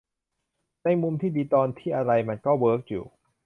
ในมุมที่ดี ตอนที่อะไรมันก็เวิร์กอยู่